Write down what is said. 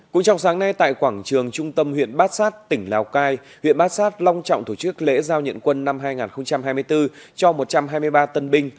cũng trong sáng nay tại quảng trường trung tâm huyện bát sát tỉnh lào cai huyện bát sát long trọng tổ chức lễ giao nhận quân năm hai nghìn hai mươi bốn cho một trăm hai mươi ba tân binh